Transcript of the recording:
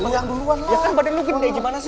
ya kan badan lu gede gimana sih